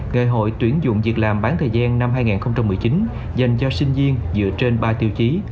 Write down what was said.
ngày hội tuyển dụng việc làm bán thời gian năm hai nghìn một mươi chín dành cho sinh viên dựa trên ba tiêu chí